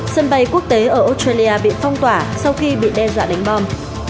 sân bay quốc tế ở australia bị phong tỏa sau khi bị đe dọa đánh bom